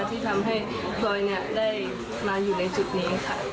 ที่ทำให้พลอยได้มาอยู่ในจุดนี้ค่ะ